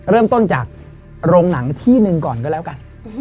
เริ่มต้นจากโรงหนังที่หนึ่งก่อนก็แล้วกัน